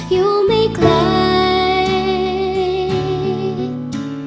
อยู่ไม่อยู่อยู่ไม่อยู่อยู่ไม่อยู่